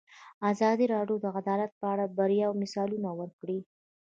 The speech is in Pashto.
ازادي راډیو د عدالت په اړه د بریاوو مثالونه ورکړي.